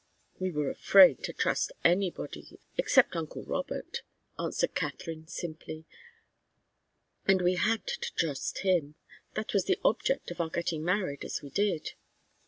"We were afraid to trust anybody except uncle Robert," answered Katharine, simply. "And we had to trust him. That was the object of our getting married as we did."